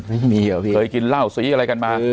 ไม่มีอ่ะพี่เคยกินเหล้าสีอะไรกันมา